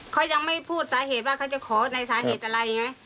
เขายังไม่พูดสาเหตุว่าเขาจะขอในสาเหตุอะไรไง